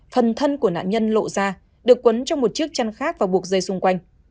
phần thân của nạn nhân lộ ra được quấn trong một chiếc chăn khác và buộc dây xung quanh